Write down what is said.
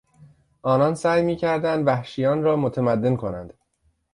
آنان سعی میکردند وحشیان را متمدن کنند.